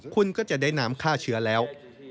คุณก็จะได้น้ำฆ่าเชื้อแล้ว